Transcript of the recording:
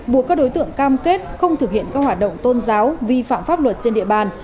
buộc các đối tượng cam kết không thực hiện các hoạt động tôn giáo vi phạm pháp luật trên địa bàn